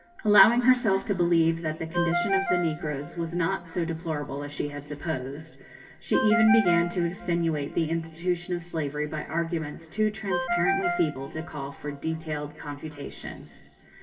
Allowing herself to believe that the condition of the negroes was not so deplorable as she had supposed, she even began to extenuate the institution of slavery by arguments too transparently feeble to call for detailed confutation.